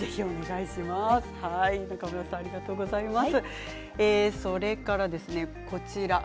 中村さんありがとうございます。